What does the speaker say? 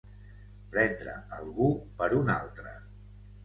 Prendre algú per un altre.